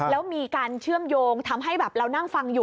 แล้วมีการเชื่อมโยงทำให้แบบเรานั่งฟังอยู่